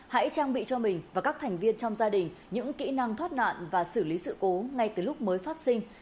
hãy trang bị cho mình và các thành viên trong gia đình những kỹ năng thoát nạn và xử lý sự cố ngay từ lúc mới phát sinh